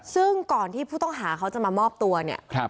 ซึ่งก่อนที่ผู้ต้องหาเขาจะมามอบตัวเนี่ย